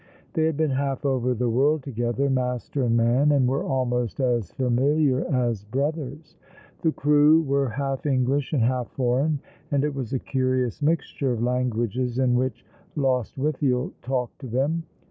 They had been half over the world together, master and man, and were almost as familiar as brothers. The crew were half English and half foreign ; and it was a curious mixture of languages in which Lostwithiel talked to them.